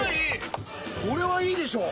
これはいいでしょう